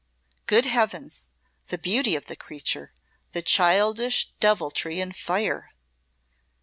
Good Heavens! the beauty of the creature the childish deviltry and fire!"